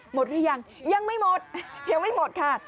หรือยังยังไม่หมดยังไม่หมดค่ะ